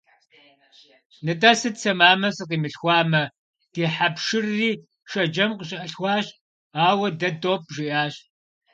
Нтӏэ сыт сэ мамэ сыкъимылъхуамэ, ди хьэпшырри Шэджэм къыщалъхуащ, ауэ дэ допӏ, - жиӏащ.